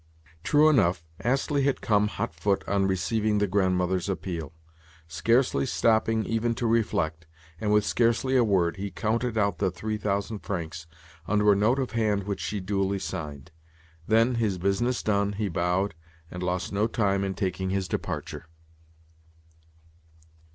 True enough, Astley had come hot foot on receiving the Grandmother's appeal. Scarcely stopping even to reflect, and with scarcely a word, he counted out the three thousand francs under a note of hand which she duly signed. Then, his business done, he bowed, and lost no time in taking his departure.